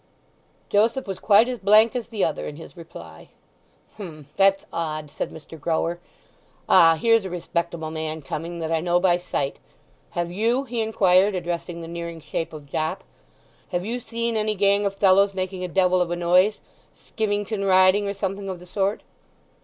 Joseph was quite as blank as the other in his reply. "H'm—that's odd," said Mr. Grower. "Ah—here's a respectable man coming that I know by sight. Have you," he inquired, addressing the nearing shape of Jopp, "have you seen any gang of fellows making a devil of a noise—skimmington riding, or something of the sort?"